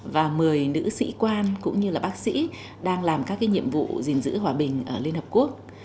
và một mươi nữ sĩ quan cũng như là bác sĩ đang làm các cái nhiệm vụ gìn giữ hòa bình ở liên hợp quốc